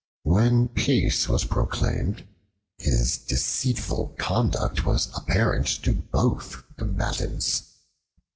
When peace was proclaimed, his deceitful conduct was apparent to both combatants.